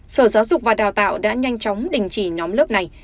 sở giáo dục và đào tạo đã nhanh chóng đình chỉ nhóm lớp này